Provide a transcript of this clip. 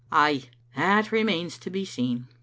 " Ay, that remains to be seen.